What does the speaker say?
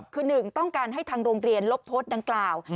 คือ๑ต้องการให้ทางโรงเรียนลบโพสต์ดังกล่าว